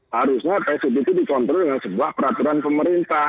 harusnya psbb itu dikontrol dengan sebuah peraturan pemerintah